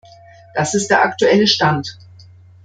Das ist der aktuelle Stand.